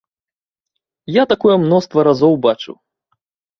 Я такое мноства разоў бачыў.